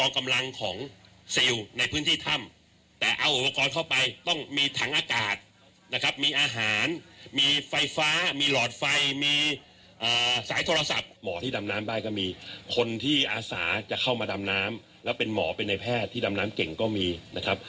คนที่อาสาจะเข้ามาดำน้ำและเป็นหมอเป็นไอแพทย์ที่ดำน้ำเก่งก็มีนะครับ